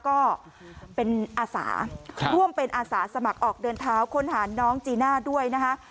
ก็เป็นอาสาร่วมเป็นอาสาสมัครออกเดินเท้าค้นหาน้องจีน่าด้วยนะคะ